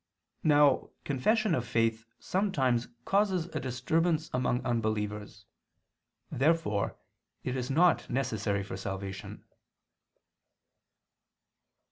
Now confession of faith sometimes causes a disturbance among unbelievers. Therefore it is not necessary for salvation.